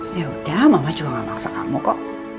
yaudah mama juga gak maksa kamu kok